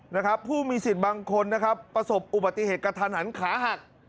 นะครับผู้มีสินบางคนประสบอุบัติเห็คกระทันหันขาหัก